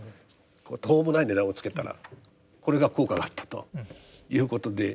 途方もない値段をつけたらこれが効果があったということで。